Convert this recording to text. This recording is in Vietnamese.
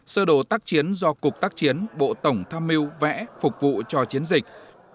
sơ đồ tác chiến do cục tác chiến bộ tổng tham mưu vẽ phục vụ cho chiến dịch